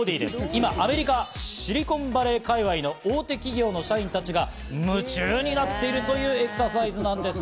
今、アメリカ・シリコンバレー界隈の大手企業の社員たちが夢中になっているというエクササイズなんです。